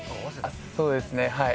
そうですねはい。